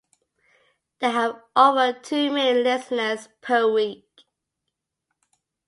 They have over two million listeners per week.